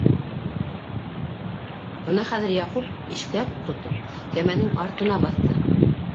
Бына хәҙер Яҡуп, ишкәк тотоп, кәмәнең артына баҫты.